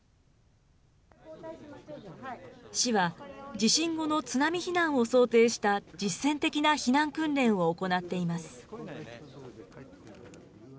市は地震後の津波避難を想定した、実践的な避難訓練を行っています。